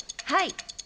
はい。